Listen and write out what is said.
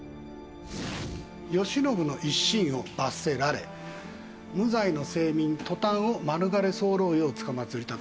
慶喜の一身を罰せられ無罪の生民塗炭を免れ候ようつかまつりたく。